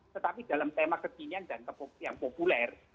tetapi dalam tema kekinian dan yang populer